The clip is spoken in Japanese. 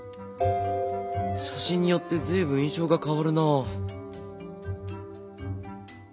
写真によって随分印象が変わるなあ。